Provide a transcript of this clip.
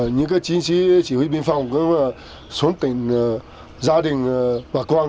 những các chính sĩ chỉ huy biên phòng cũng xuống tỉnh gia đình bà quang